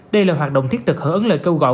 đây là hoạt động thiết thực hưởng ứng lời kêu gọi